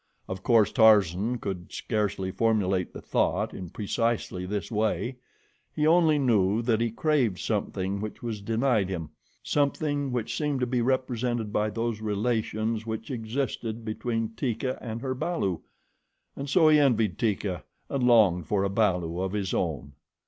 Of course Tarzan could scarcely formulate the thought in precisely this way he only knew that he craved something which was denied him; something which seemed to be represented by those relations which existed between Teeka and her balu, and so he envied Teeka and longed for a balu of his own.